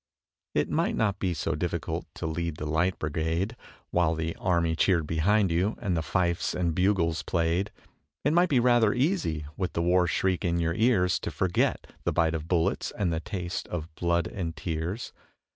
It might not be so difficult to lead the light brigade, While the army cheered behind you, and the fifes and bugles played; It might be rather easy, with the war shriek in your ears, To forget the bite of bullets and the taste of blood and tears.